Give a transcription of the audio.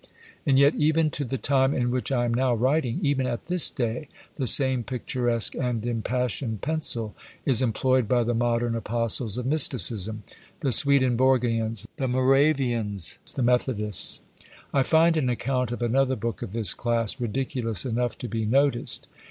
And yet, even to the time in which I am now writing, even at this day, the same picturesque and impassioned pencil is employed by the modern Apostles of Mysticism the Swedenborgians, the Moravians, the Methodists! I find an account of another book of this class, ridiculous enough to be noticed.